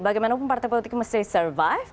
bagaimanapun partai politik mesti survive